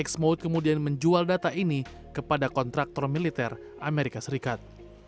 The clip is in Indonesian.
x mode kemudian menjual data ini kepada kontraktor militer amerika serikat